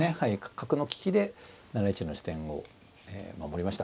角の利きで７一の地点を守りました。